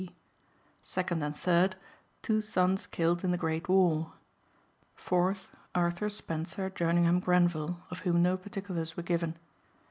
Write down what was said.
C.G.C.B. Second and third, two sons killed in the great war. Fourth, Arthur Spencer Jerningham Grenvil of whom no particulars were given.